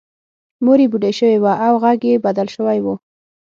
مور یې بوډۍ شوې وه او غږ یې بدل شوی و